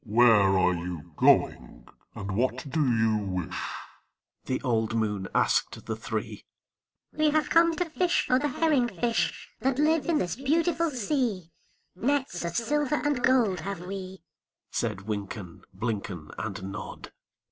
"Where are you going, and what do you wish?" The old moon asked the three. "We have come to fish for the herring fish That live in this beautiful sea; Nets of silver and gold have we," Said Wynken, Blynken, And Nod.